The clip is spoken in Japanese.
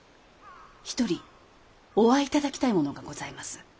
一人お会い頂きたい者がございます。